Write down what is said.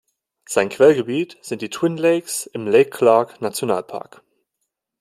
Sein Quellgebiet sind die Twin Lakes im Lake-Clark-Nationalpark.